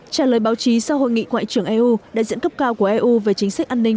trả lời báo chí sau hội nghị ngoại trưởng eu đại diện cấp cao của eu về chính sách an ninh